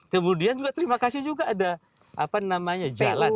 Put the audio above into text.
kemudian juga terima kasih juga ada apa namanya jalan